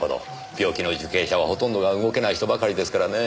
病気の受刑者はほとんどが動けない人ばかりですからねぇ。